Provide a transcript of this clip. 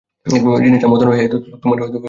জিনিসটা মন্দ নয় হে– তোমার কবি লেখে ভালো।